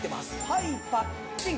はいパッチン。